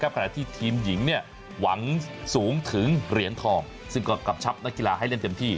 ผู้หญิงเนี่ยหวังสูงถึงเหรียญทองซึ่งก็กลับชับนักกีฬาให้เล่นเต็มที่